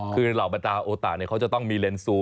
คือเหล่าประตาโอตาเนี่ยเขาจะต้องมีเลนส์ซูม